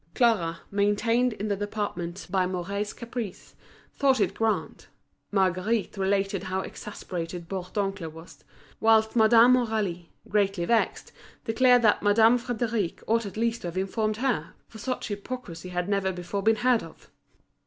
Clara, maintained in the department by Mouret's caprice, thought it grand. Marguerite related how exasperated Bourdoncle was; whilst Madame Aurélie, greatly vexed, declared that Madame Frédéric ought at least to have informed her, for such hypocrisy had never before been heard of.